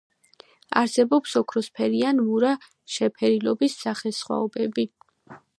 არსებობს ოქროსფერი ან მურა შეფერილობის სახესხვაობები.